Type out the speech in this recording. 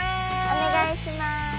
お願いします。